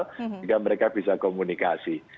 sehingga mereka bisa komunikasi